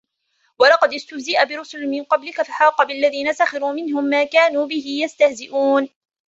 وَلَقَدِ اسْتُهْزِئَ بِرُسُلٍ مِنْ قَبْلِكَ فَحَاقَ بِالَّذِينَ سَخِرُوا مِنْهُمْ مَا كَانُوا بِهِ يَسْتَهْزِئُونَ